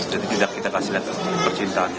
jadi tidak kita kasih lihat percintaannya